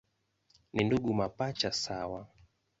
Ni ndugu mapacha sawa.